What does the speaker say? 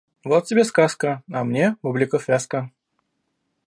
Вот тебе сказка, а мне бубликов вязка.